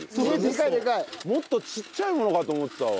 もっとちっちゃいものかと思ってたわ。